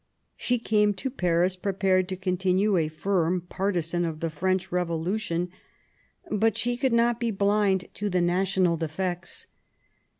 She came to Paris pre pared to continue a firm partisan of the French Revo lution; but she could not be blind to the national defects.